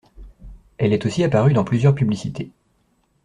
Elle est aussi apparue dans plusieurs publicités.